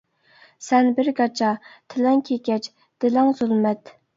سەن بىر گاچا، تىلىڭ كېكەچ، دىلىڭ زۇلمەت!